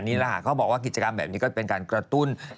นี่แหละค่ะเขาบอกว่ากิจกรรมแบบนี้ก็เป็นการกระตุ้น